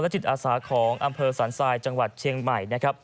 และจิตอาสาของอำเภอสรรษัยจังหวัดเชียงใหม่